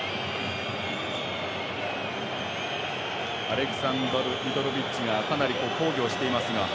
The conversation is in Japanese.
アレクサンダル・ミトロビッチがかなり抗議をしています。